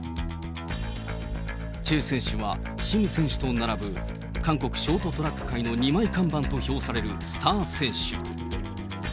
チェ選手はシム選手と並ぶ韓国ショートトラック界の二枚看板と評されるスター選手。